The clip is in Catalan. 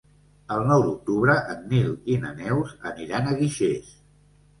El nou d'octubre en Nil i na Neus aniran a Guixers.